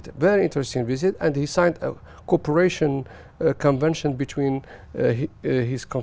đây là trường hợp đầu tiên giữa hà nội hà nội và việt nam